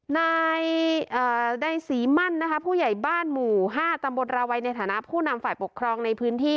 นายใดศรีมั่นนะคะผู้ใหญ่บ้านหมู่๕ตำบลราวัยในฐานะผู้นำฝ่ายปกครองในพื้นที่